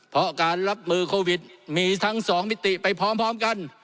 เพราะการรับมือโควิดมีทั้งสองมิติไปพร้อมกัน